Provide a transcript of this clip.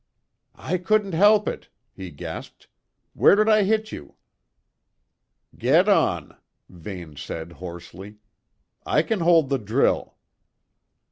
"I couldn't help it," he gasped. "Where did I hit you?" "Get on," Vane said hoarsely. "I can hold the drill."